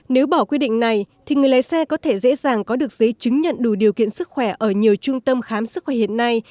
nếu bỏ quy định này thì người lấy xe có thể dễ dàng có được giấy chứng nhận đủ điều kiện sức khỏe ở nhiều trung tâm khám sức khỏe hiện nay